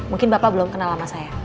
mungkin bapak belum kenal sama saya